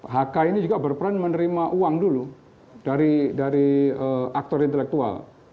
hk ini juga berperan menerima uang dulu dari aktor intelektual